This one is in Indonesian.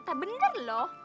itu ternyata bener loh